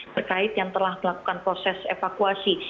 terkait yang telah melakukan proses evakuasi